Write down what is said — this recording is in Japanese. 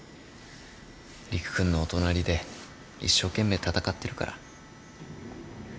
理玖君のお隣で一生懸命闘ってるから。